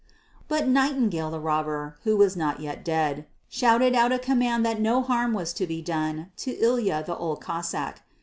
But Nightingale the Robber, who was not yet dead, shouted out a command that no harm was to be done to Ilya the Old Cossáck.